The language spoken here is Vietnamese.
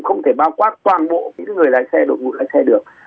không thể bao quát toàn bộ những người lái xe đội ngũ lái xe được